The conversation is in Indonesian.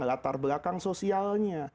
latar belakang sosialnya